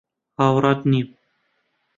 هاوڕات نیم.